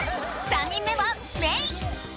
３人目はメイ！